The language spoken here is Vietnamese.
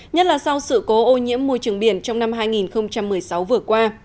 nhất là sau sự cố ô nhiễm môi trường biển trong năm hai nghìn một mươi sáu vừa qua